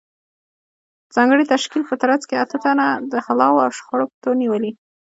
ځانګړې تشکیل په ترڅ کې اته تنه د غلاوو او شخړو په تور نیولي